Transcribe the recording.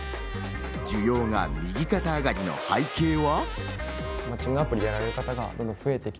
需要が右肩上がりの背景は。